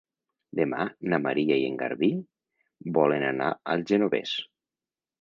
Demà na Maria i en Garbí volen anar al Genovés.